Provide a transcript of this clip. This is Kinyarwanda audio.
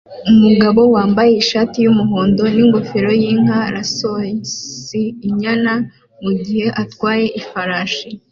Umugabo wambaye ishati yumuhondo ningofero yinka lassos inyana mugihe atwaye ifarashi